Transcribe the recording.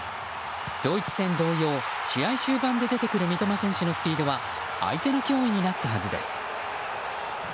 ドイツ戦同様試合終盤で出てくる三笘選手のスピードは相手の脅威になったはずです。